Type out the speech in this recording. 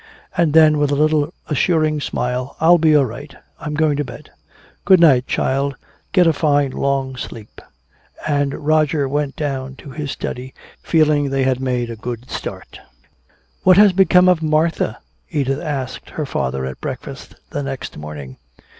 And then with a little assuring smile, "I'll be all right I'm going to bed." "Good night, child, get a fine long sleep." And Roger went down to his study, feeling they had made a good start. "What has become of Martha?" Edith asked her father at breakfast the next morning.